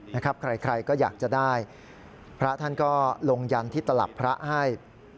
ใครใครก็อยากจะได้พระท่านก็ลงยันที่ตลับพระให้